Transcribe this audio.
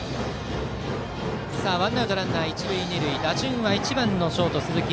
ワンアウトランナー、一塁二塁で打順は１番のショート、鈴木。